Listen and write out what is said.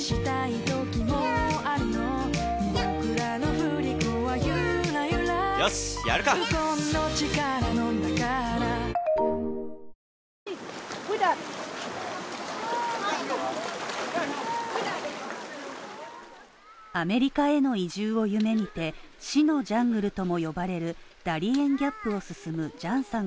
素晴らしい過去になろうアメリカへの移住を夢見て、死のジャングルとも呼ばれるダリエン・ギャップを進むジャンさん